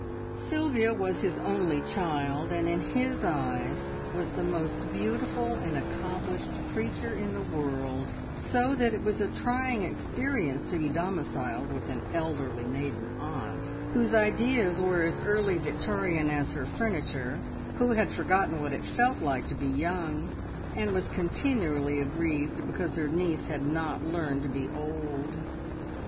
Sylvia was his only child, and in his eyes was the most beautiful and accomplished creature in the world, so that it was a trying experience to be domiciled with an elderly maiden aunt, whose ideas were as early Victorian as her furniture, who had forgotten what it felt like to be young, and was continually aggrieved because her niece had not learned to be old.